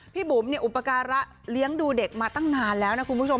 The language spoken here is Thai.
บุ๋มอุปการะเลี้ยงดูเด็กมาตั้งนานแล้วนะคุณผู้ชม